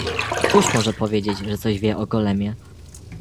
"„Któż może powiedzieć, że coś wie o Golemie?"